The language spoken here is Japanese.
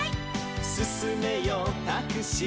「すすめよタクシー」